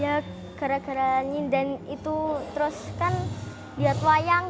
ya gara garanya dan itu terus kan lihat wayangnya